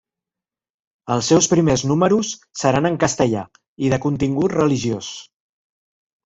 Els seus primers números seran en castellà i de contingut religiós.